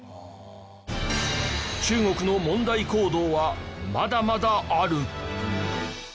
中国の問題行動はまだまだある！